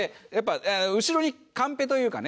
後ろにカンペというかね